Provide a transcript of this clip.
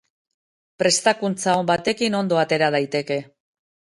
Prestakuntza on batekin, ondo atera daiteke.